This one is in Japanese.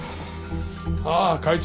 ああ会長